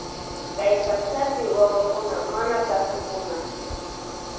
Kay pachakunapi wawakuna manakasukkuna.